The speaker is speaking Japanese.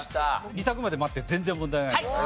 ２択まで待って全然問題ないですから。